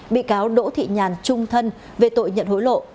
bị cáo đỗ thị nhàn trung thân về tội nhận hối lộ